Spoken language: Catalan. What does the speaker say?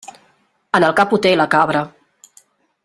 En el cap ho té la cabra.